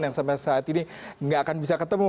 yang sampai saat ini nggak akan bisa ketemu